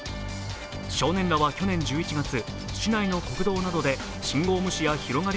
少年らは、去年１１月市内の国道などで信号無視や広がり